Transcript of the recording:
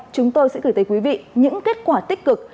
chúng tôi sẽ gửi tới quý vị những kết quả tích cực